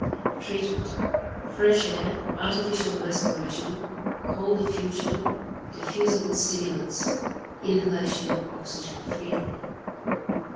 Treatment. Fresh air, artificial respiration, cold affusion, diffusible stimulants; inhalation of oxygen freely.